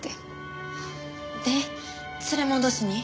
で連れ戻しに？